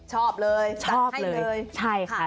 ชอบเลยตัดให้เลยชอบเลยใช่ค่ะ